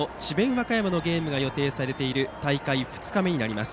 和歌山のゲームが予定されている大会２日目です。